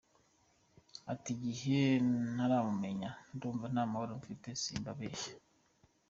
Ati" Igihe ntaramumenya ndumva nta mahoro mfite, simbabeshya".